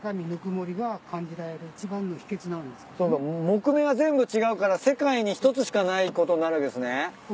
木目が全部違うから世界に一つしかないことになるわけですね。